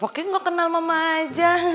papa kayak gak kenal mama aja